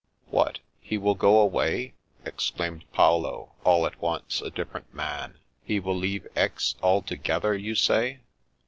" What — he will go away? " exclaimed Paolo, all at once a different man. " He will leave Aix al together, you say?